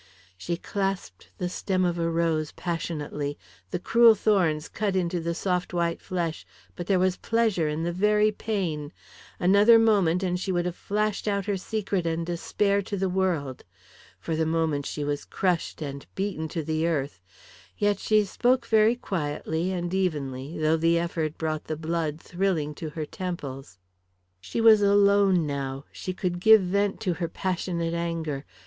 ... She clasped the stem of a rose passionately. The cruel thorns cut into the soft white flesh, but there was pleasure in the very pain. Another moment and she would have flashed out her secret and despair to the world. For the moment she was crushed and beaten to the earth. Yet she spoke very quietly and evenly, though the effort brought the blood thrilling to her temples. She was alone now; she could give vent to her passionate anger.